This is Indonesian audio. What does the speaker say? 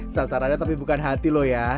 sasarannya tapi bukan hati loh ya